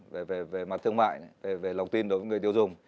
về mặt thương mại về lòng tin đối với người tiêu dùng